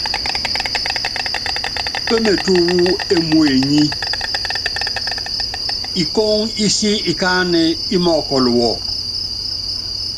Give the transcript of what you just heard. Pémetú wú émuenyí, ikóŋó ísi ikáanɛ́ ímɔɔ́kɔl wɔ.